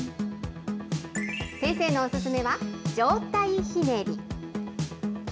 先生のお勧めは上体ひねり。